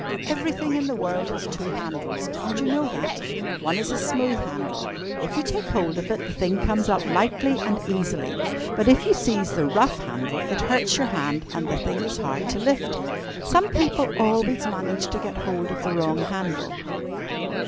Everything in the world has two handles. Didn't you know that? One is a smooth handle. If you take hold of it, the thing comes up lightly and easily, but if you seize the rough handle, it hurts your hand and the thing is hard to lift. Some people always manage to get hold of the wrong handle."